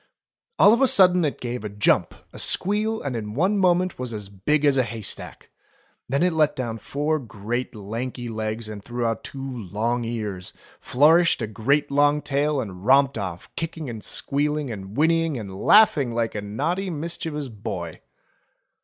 All of a sudden it gave a jump, a squeal, and in one moment was as big as a haystack. Then it let down four great lanky legs and threw out two long ears, flourished a great long tail and romped off, kicking and squealing and whinnying and laughing like a naughty mischievous boy